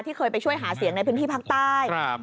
ที่เคยไปช่วยหาเสียงในพิมพ์ภาคใต้